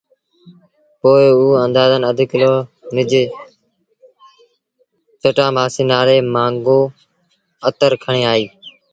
پوء اوٚ اندآزݩ اڌ ڪلو نج جٽآ مآسيٚ نآلي مآݩگو اتر کڻي آئي۔